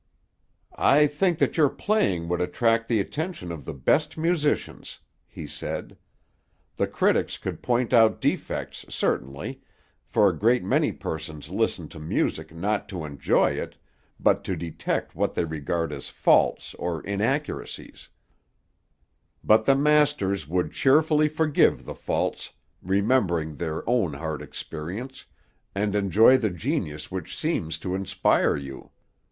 "I think that your playing would attract the attention of the best musicians," he said. "The critics could point out defects, certainly, for a great many persons listen to music not to enjoy it, but to detect what they regard as faults or inaccuracies; but the masters would cheerfully forgive the faults, remembering their own hard experience, and enjoy the genius which seems to inspire you.